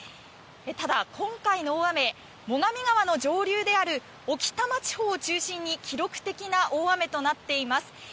ただ、今回の大雨最上川の上流であるオキタマ地方を中心に記録的な大雨となっています。